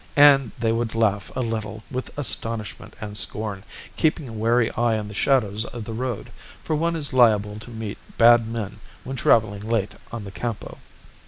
And they would laugh a little with astonishment and scorn, keeping a wary eye on the shadows of the road, for one is liable to meet bad men when travelling late on the Campo.